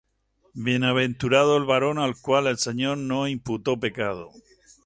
Bienaventurado el varón al cual el Señor no imputó pecado.